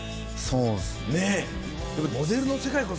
そうですね。